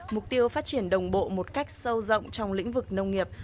mục tiêu phát triển đồng bộ một cách sâu rộng trong lĩnh vực nông nghiệp